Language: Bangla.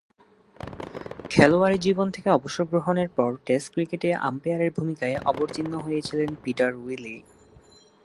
খেলোয়াড়ী জীবন থেকে অবসর গ্রহণের পর টেস্ট ক্রিকেটে আম্পায়ারের ভূমিকায় অবতীর্ণ হয়েছিলেন পিটার উইলি।